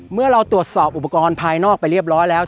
เมื่อเราตรวจสอบอุปกรณ์ภายนอกไปเรียบร้อยแล้ว